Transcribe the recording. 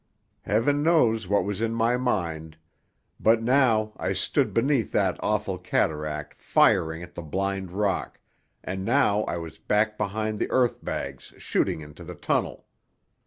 Heaven knows what was in my mind. But now I stood beneath that awful cataract firing at the blind rock, and now I was back behind the earth bags shooting into the tunnel.